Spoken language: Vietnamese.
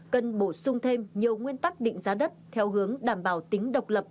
cần bổ sung thêm nhiều nguyên tắc định giá đất theo hướng đảm bảo tính độc lập